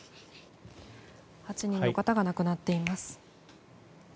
８人の方が亡くなっています。